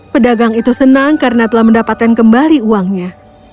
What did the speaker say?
pedagang itu senang karena telah mendapatkan kembali uangnya